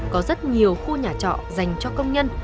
có rất nhiều khu nhà trọ dành cho công nhân